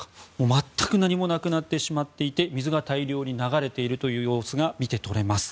全く何もなくなってしまって水が大量に流れている様子が見て取れます。